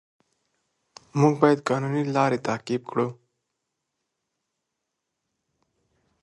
موږ باید قانوني لارې تعقیب کړو